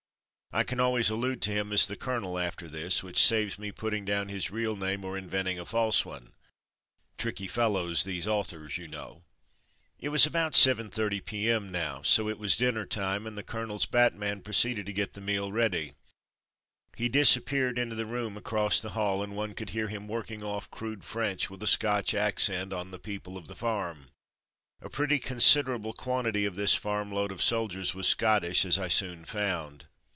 I can always allude to him as ''the colonel'' after this, which saves me putting down his real name or inventing a false one (tricky fellows these authors, you know). It was about 7.30 p.m. now, so it was dinner time, and the colonel's batman pro ceeded to get the meal ready. He dis appeared into the room across the hall, and one could hear him working off crude French with a Scotch accent on to the people of the farm. A pretty considerable quantity of this farm load of soldiers was Scottish as I soon found.